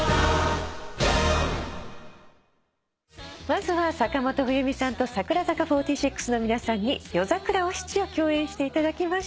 まずは坂本冬美さんと櫻坂４６の皆さんに『夜桜お七』を共演していただきました。